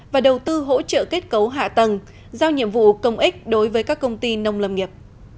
và đầu tư hỗ trợ kết cấu hạ tầng giao nhiệm vụ công ích đối với các công ty nông lâm nghiệp